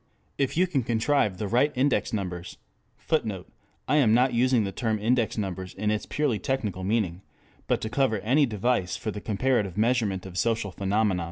If you can contrive the right index numbers [Footnote: I am not using the term index numbers in its purely technical meaning, but to cover any device for the comparative measurement of social phenomena.